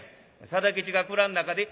定吉が蔵ん中で？」。